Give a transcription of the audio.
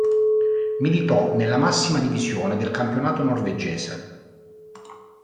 Militò nella massima divisione del campionato norvegese.